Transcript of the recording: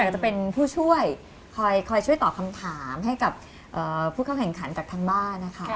จะเป็นผู้ช่วยคอยช่วยตอบคำถามให้กับผู้เข้าแข่งขันกับทางบ้านนะคะ